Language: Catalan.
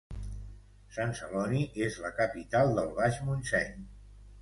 Sant Celoni és la capital del Baix Montseny